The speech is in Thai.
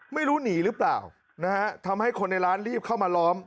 ไม่รู้หนีหรือเปล่านะฮะทำให้คนในร้านรีบเข้ามาล้อม